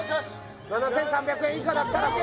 ７３００円以下だったらいけ！